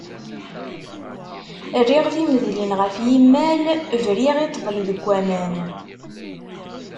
Rriɣ timedlin ɣef yimal, briɣ i ṭṭbel deg uman.